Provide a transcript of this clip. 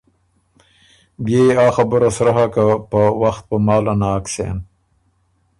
بيې يې آ خبُره سرۀ هۀ که په وخت په محاله ناک سېن۔